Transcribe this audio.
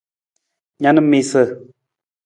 Na na miisa.